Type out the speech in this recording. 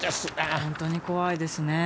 本当に怖いですね。